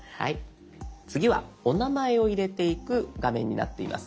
次はお名前を入れていく画面になっています。